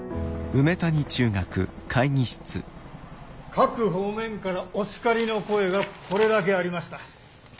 各方面からお叱りの声がこれだけありました。